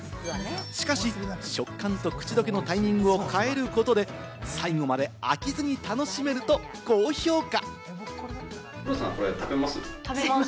しかし食感と口どけのタイミングを変えることで、最後まで飽きずに楽しめると高評価。